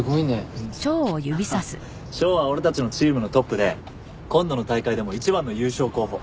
翔は俺たちのチームのトップで今度の大会でも一番の優勝候補。